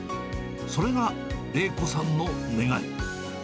それが礼子さんの願い。